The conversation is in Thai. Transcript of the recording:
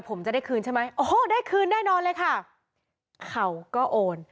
ผมจะได้คืนใช่ไหมโอ้โหได้คืนแน่นอนเลยค่ะเขาก็โอน